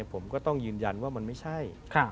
ผมก็ต้องยืนยันว่ามันไม่ใช่